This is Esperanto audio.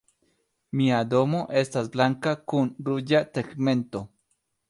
Mia domo estas blanka kun ruĝa tegmento.